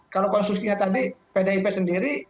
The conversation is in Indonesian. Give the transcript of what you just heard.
kalau konsumsinya tadi pdip sendiri